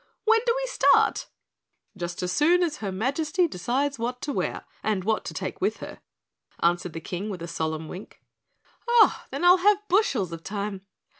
When do we start?" "Just as soon as her Majesty decides what to wear and what to take with her," answered the King with a solemn wink. "Oh, then I'll have bushels of time."